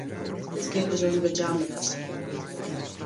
Ditkear is Azerbeidzjan de gasthear.